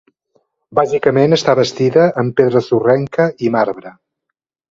Bàsicament, està bastida amb pedra sorrenca i marbre.